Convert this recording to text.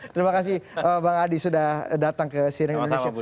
terima kasih bang adi sudah datang ke cnn indonesia